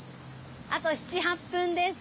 あと７８分です！